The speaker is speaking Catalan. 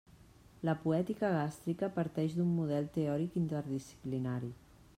La poètica gàstrica parteix d'un model teòric interdisciplinari.